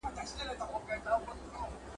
پر مېړه یو کال خواري وي، پر سپي سړي همېشه ..